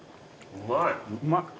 うまい。